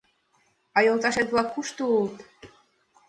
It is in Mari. — А йолташет-влак кушто улыт?